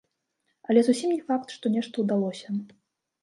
Але зусім не факт, што нешта ўдалося.